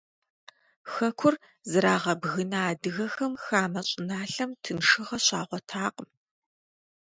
Хэкур зрагъэбгына адыгэхэм хамэ щӀыналъэм тыншыгъуэ щагъуэтакъым.